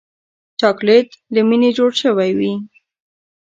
چاکلېټ له مینې جوړ شوی وي.